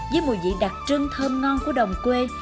với mùi vị đặc trưng thơm ngon của đồng quê